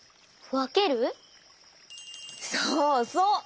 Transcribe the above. そうそう！